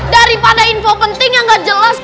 daripada info penting yang gak jelas